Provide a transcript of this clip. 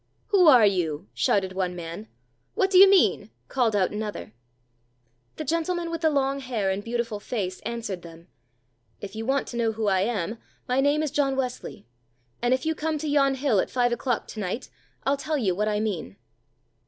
"Who are you?" shouted one man. "What do you mean?" called out another. The gentleman with the long hair and beautiful face answered them: "If you want to know who I am, my name is John Wesley, and if you come to yon hill at five o'clock to night, I'll tell you what I mean."